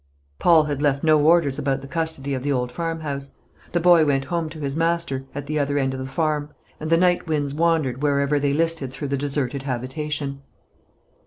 Paul had left no orders about the custody of the old farmhouse. The boy went home to his master, at the other end of the farm; and the night winds wandered wherever they listed through the deserted habitation.